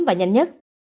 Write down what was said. và nhanh nhất